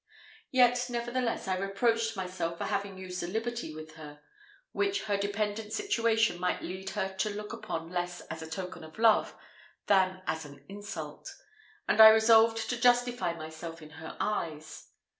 Yet, nevertheless, I reproached myself for having used a liberty with her, which her dependent situation might lead her to look upon less as a token of love than as an insult, and I resolved to justify myself in her eyes.